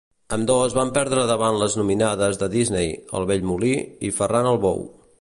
Ambdós van perdre davant les nominades de Disney, "El vell molí" i "Ferran el bou".